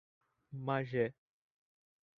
Magé